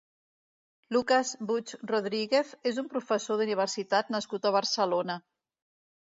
Lucas Buch Rodríguez és un professor d'universitat nascut a Barcelona.